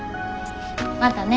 またね。